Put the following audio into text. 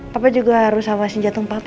papa juga harus hawasin jatuh papa